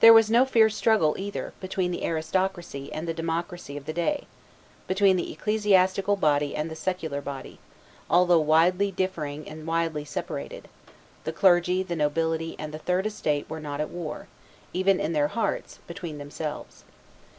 There was no fierce struggle, either, between the aristocracy and the democracy of the day, between the ecclesiastical body and the secular body; although widely differing and widely separated, the clergy, the nobility, and the third estate were not at war, even in their hearts, between themselves.